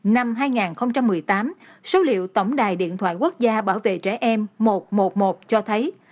năm hai nghìn một mươi tám số liệu tổng đài điện thoại quốc gia bảo vệ trẻ em một trăm một mươi một cho thấy